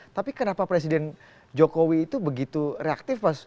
tapi kenapa presiden jokowi itu begitu reaktif mas